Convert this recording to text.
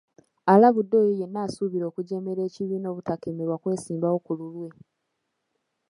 Alabudde oyo yenna asuubira okujeemera ekibiina obutakemebwa kwesimbawo ku lulwe.